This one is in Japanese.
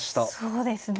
そうですね。